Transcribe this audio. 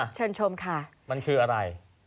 เชิญชมค่ะมันคืออะไร